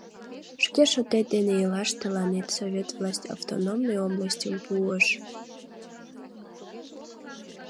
Шке шотет дене илаш тыланет Совет власть автономный областьым пуыш.